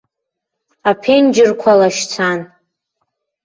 Аԥенџьырқәа лашьцан.